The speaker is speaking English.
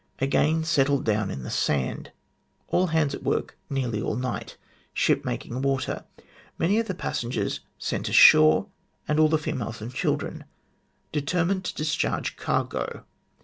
Again settled down in the sand. All hands at work nearly all night. Ship making water. Many of the passengers sent ashore, and all the females and children. Determined to discharge cargo.